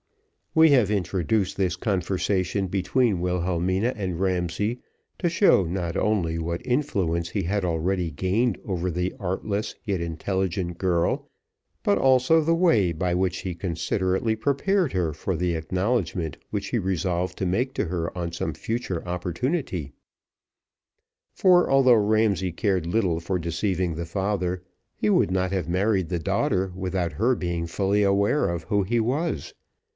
We have introduced this conversation between Wilhelmina and Ramsay, to show not only what influence he had already gained over the artless, yet intelligent girl, but also the way by which he considerately prepared her for the acknowledgment which he resolved to make to her on some future opportunity; for, although Ramsay cared little for deceiving the father, he would not have married the daughter without her being fully aware of who he was.